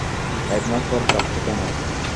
এক মাস পর কাঁদছো কেন?